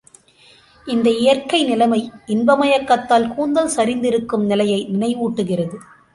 இந்த இயற்கை நிலைமை, இன்ப மயக்கத்தால் கூந்தல் சரிந்திருக்கும் நிலையை நினைவூட்டுகிறது.